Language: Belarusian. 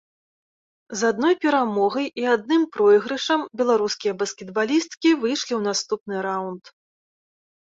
З адной перамогай і адным пройгрышам беларускія баскетбалісткі выйшлі ў наступны раўнд.